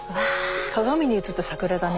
鏡に映った桜だね。